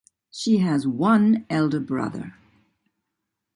She has one elder brother.